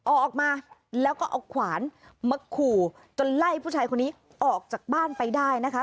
ออกมาแล้วก็เอาขวานมาขู่จนไล่ผู้ชายคนนี้ออกจากบ้านไปได้นะคะ